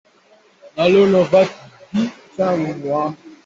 Na lo na vat dih cang maw?